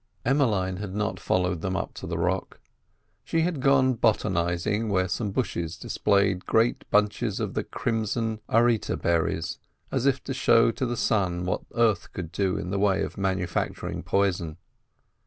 Emmeline had not followed them up to the rock. She had gone botanising where some bushes displayed great bunches of the crimson arita berries as if to show to the sun what Earth could do in the way of manufacturing poison.